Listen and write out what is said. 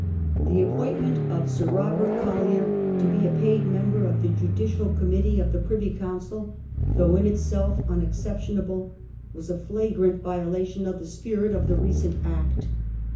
The appointment of Sir Robert Collier ^ to be a paid member Patronage of the Judicial Committee of the Privy Council, though in itself unexceptionable, was a flagrant violation of the spirit of the recent Act.